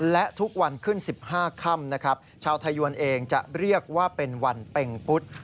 และทุกวันขึ้น๑๕ค่ำนะครับชาวไทยยวนเองจะเรียกว่าเป็นวันเป็งพุทธ